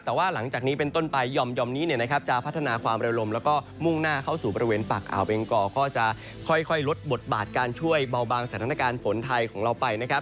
แต่ว่าหลังจากนี้เป็นต้นไปยอมนี้จะพัฒนาความเร็วลมแล้วก็มุ่งหน้าเข้าสู่บริเวณปากอ่าวเบงกอก็จะค่อยลดบทบาทการช่วยเบาบางสถานการณ์ฝนไทยของเราไปนะครับ